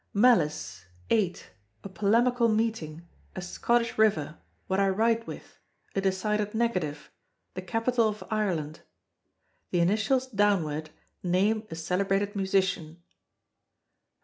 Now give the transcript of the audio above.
Malice, eight, a polemical meeting, a Scottish river, what I write with, a decided negative, the capital of Ireland. The initials downward name a celebrated musician.